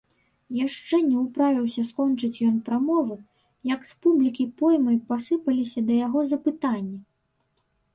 Яшчэ не ўправіўся скончыць ён прамовы, як з публікі плоймай пасыпаліся да яго запытанні.